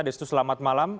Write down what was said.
destu selamat malam